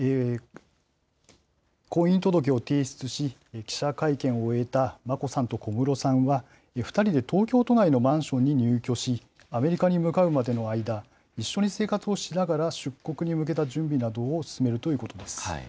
婚姻届を提出し、記者会見を終えた眞子さんと小室さんは、２人で東京都内のマンションに入居し、アメリカに向かうまでの間、一緒に生活をしながら出国に向けた準備などを進めるということです。